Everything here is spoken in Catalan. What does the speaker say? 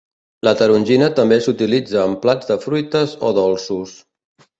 La tarongina també s'utilitza amb plats de fruites o dolços.